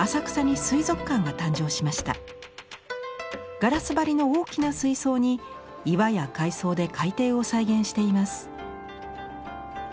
ガラス張りの大きな水槽に岩や海藻で海底を再現しています。